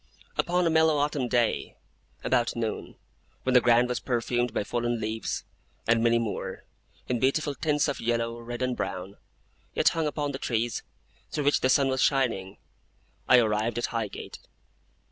Upon a mellow autumn day, about noon, when the ground was perfumed by fallen leaves, and many more, in beautiful tints of yellow, red, and brown, yet hung upon the trees, through which the sun was shining, I arrived at Highgate.